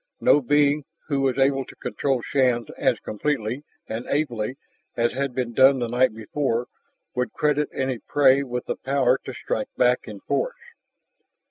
No being who was able to control Shann as completely and ably as had been done the night before would credit any prey with the power to strike back in force.